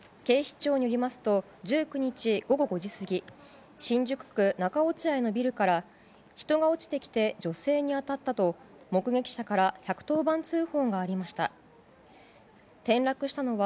警視庁によりますと１９日午後５時過ぎ新宿区中落合のビルから人が落ちてきて女性に当たったと目撃者から１１０番通報がありました。